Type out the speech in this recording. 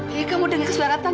iya kamu dengar suara tante kan